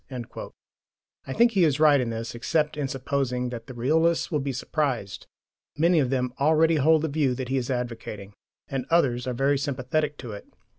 "* I think he is right in this, except in supposing that the realists will be surprised. Many of them already hold the view he is advocating, and others are very sympathetic to it.